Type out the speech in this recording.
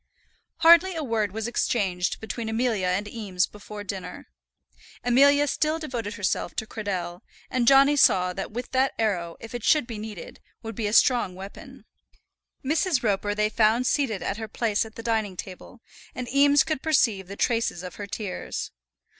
Hardly a word was exchanged between Amelia and Eames before dinner. Amelia still devoted herself to Cradell, and Johnny saw that that arrow, if it should be needed, would be a strong weapon. Mrs. Roper they found seated at her place at the dining table, and Eames could perceive the traces of her tears.